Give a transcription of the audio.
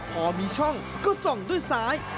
พอมีช่องก็ส่องด้วยซ้าย